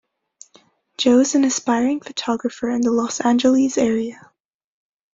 Joe is an aspiring photographer in the Los Angeles area.